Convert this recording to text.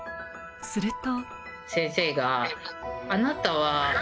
すると。